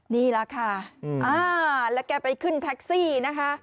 นี่แหละค่ะแล้วแกไปขึ้นแท็กซี่นะคะ